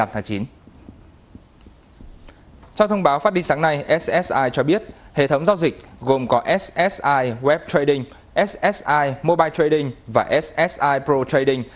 theo thông báo phát đi sáng nay ssi cho biết hệ thống giao dịch gồm có ssi web trading ssi mobile trading và ssi pro trading